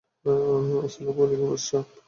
আস-সালামু আলাইকুম, আশরাফ।